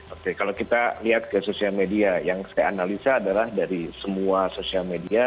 oke kalau kita lihat ke sosial media yang saya analisa adalah dari semua sosial media